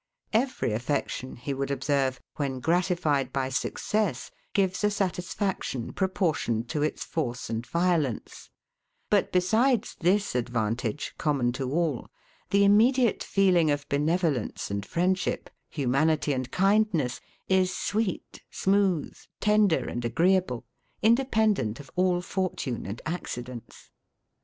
Every affection, he would observe, when gratified by success, gives a satisfaction proportioned to its force and violence; but besides this advantage, common to all, the immediate feeling of benevolence and friendship, humanity and kindness, is sweet, smooth, tender, and agreeable, independent of all fortune and accidents.